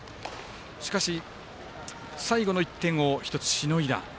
しかし、最後の１点を１つしのいだ。